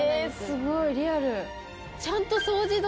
すごいリアル。